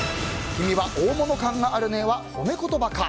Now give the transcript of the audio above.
君は大物感があるねぇは褒め言葉か。